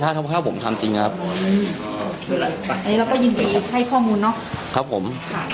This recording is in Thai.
ถ้าผมทำจริงครับแล้วก็ยินดีให้ข้อมูลนะครับผม